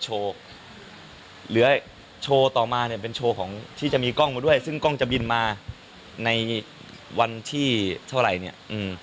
โชว์เหลือโชว์ต่อมาเนี่ยเป็นโชว์ของที่จะมีกล้องมาด้วยซึ่งกล้องจะบินมาในวันที่เท่าไหร่เนี่ย